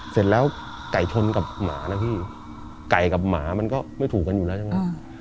เสร็จแล้วไก่ชนกับหมานะพี่ไก่กับหมามันก็ไม่ถูกกันอยู่แล้วใช่ไหม